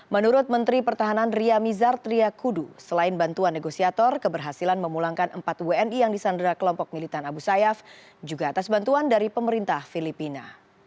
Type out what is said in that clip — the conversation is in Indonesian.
menurut menteri pertahanan ria mizar triakudu selain bantuan negosiator keberhasilan memulangkan empat wni yang disandra kelompok militan abu sayyaf juga atas bantuan dari pemerintah filipina